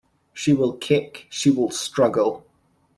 She will kick, she will struggle.